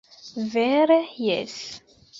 Vere jes!